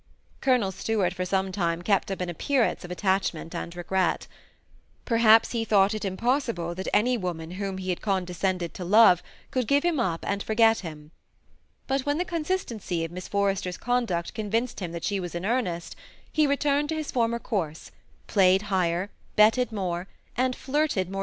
Colonel Stuart for some time kept up an appearance of attachment and regret Perhaps he thought it impos sible that any woman whom he had condescended to love could give him up and forget him. But when the consistency of Miss Forrester's conduct convinced him that she was in earnest, he returned to his former courses, played higher, betted more, and flirted more THE SEMI ATTACHED COUPLE.